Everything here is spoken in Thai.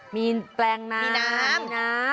มีแปลงน้ำมีน้ำ